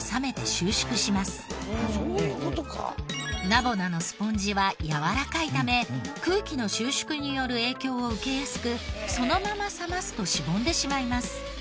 ナボナのスポンジはやわらかいため空気の収縮による影響を受けやすくそのまま冷ますとしぼんでしまいます。